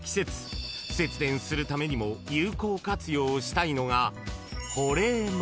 ［節電するためにも有効活用したいのが］